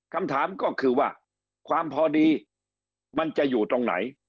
คำถามก็คือว่าความพอดีมันจะอยู่ตรงไหน